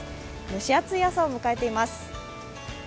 蒸し暑い朝を迎えています。